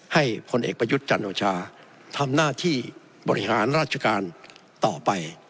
พลเอกประยุทธ์จันโอชาทำหน้าที่บริหารราชการต่อไป